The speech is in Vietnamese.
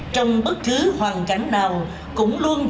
trong bất cứ hoàn cảnh nào cũng luôn diễn